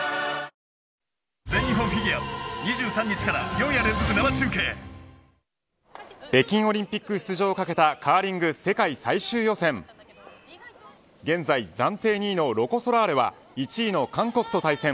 両リーグ２３歳以下での受賞は北京オリンピック出場を懸けたカーリング世界最終予選現在暫定２位のロコ・ソラーレは１位の韓国と対戦。